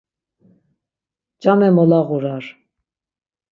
Came molağurar.